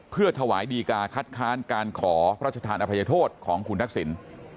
เพื่อถวายดีการ์คัดค้านการขอพระราชทานอภัยโทษของคุณทักษิณ